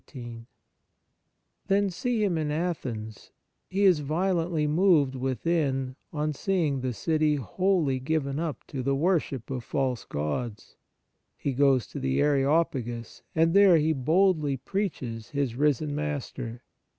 I Then see him in Athens : he is violently moved within on seeing the city wholly given up to the worship of false gods ; he goes to the Areo pagus, and there he boldly preaches his risen Master.